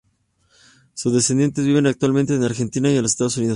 Sus descendientes viven actualmente en Argentina y en los Estados Unidos.